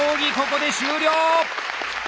ここで終了！